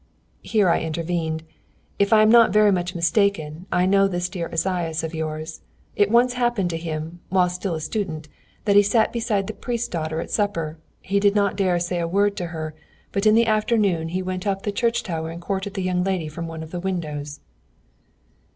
Here I intervened: "If I am not very much mistaken, I know this dear Esaias of yours. It once happened to him, while still a student, that he sat beside the priest's daughter at supper. He did not dare to say a word to her; but in the afternoon he went up the church tower and courted the young lady from one of the windows."